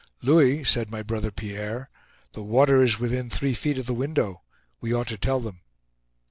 "Louis," said my brother Pierre, "the water is within three feet of the window. We ought to tell them."